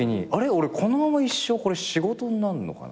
俺このまま一生仕事になるのかな？